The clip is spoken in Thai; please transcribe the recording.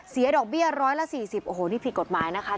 เสียดอกเบี้ยร้อยละสี่สิบโอ้โหนี่ผิดกฎหมายนะคะ